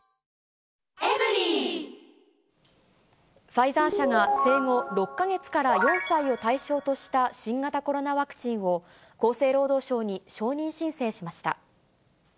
ファイザー社が、生後６か月から４歳を対象とした新型コロナワクチンを、厚生労働省に承認申請しました。